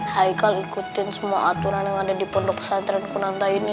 haikal ikutin semua aturan yang ada di pondok pesantren kunanta ini